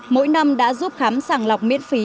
mỗi năm đã giúp khám sàng lọc miễn phí